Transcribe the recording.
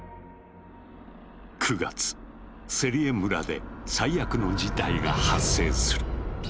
９月セリエ村で最悪の事態が発生する。